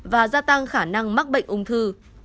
và gia tăng khả năng mắc bệnh ung thư